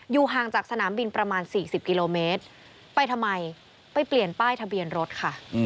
ห่างจากสนามบินประมาณ๔๐กิโลเมตรไปทำไมไปเปลี่ยนป้ายทะเบียนรถค่ะ